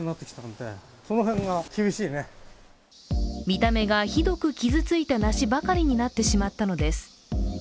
見た目がひどく傷ついた梨ばかりになってしまったのです。